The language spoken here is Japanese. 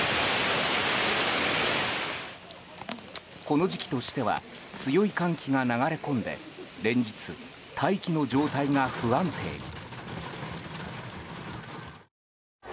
この時期としては強い寒気が流れ込んで連日、大気の状態が不安定に。